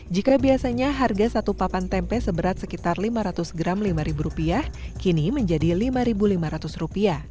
jika biasanya harga satu papan tempe seberat sekitar rp lima ratus gram rp lima kini menjadi rp lima lima ratus